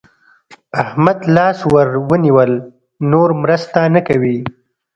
احمد لاس ور ونيول؛ نور مرسته نه کوي.